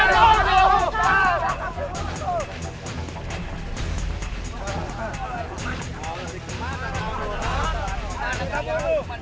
pemuda dari ipac